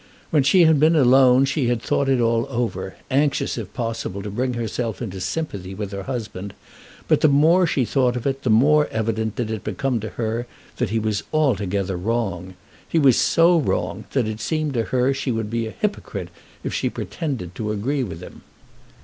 While she had been alone she had thought it all over, anxious if possible to bring herself into sympathy with her husband; but the more she thought of it the more evident did it become to her that he was altogether wrong. He was so wrong that it seemed to her that she would be a hypocrite if she pretended to agree with him.